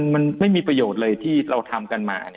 มันไม่มีประโยชน์เลยที่เราทำกันมา